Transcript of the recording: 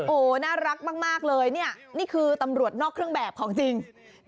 โอ้โหน่ารักมากเลยนี่คือตำรวจนอกเครื่องแบบของจริง